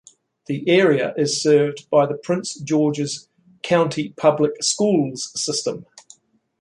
The area is served by the Prince George's County Public Schools system.